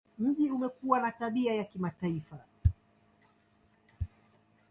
Mji umekuwa na tabia ya kimataifa.